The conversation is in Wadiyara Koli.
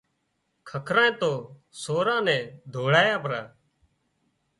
ککرانئي تو سوران نين هوزواڙيا پرا